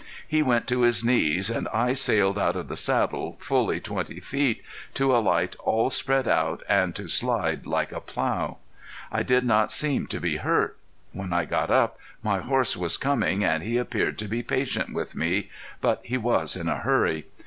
He went to his knees, and I sailed out of the saddle fully twenty feet, to alight all spread out and to slide like a plow. I did not seem to be hurt. When I got up my horse was coming and he appeared to be patient with me, but he was in a hurry.